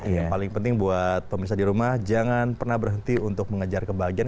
yang paling penting buat pemirsa di rumah jangan pernah berhenti untuk mengejar kebahagiaan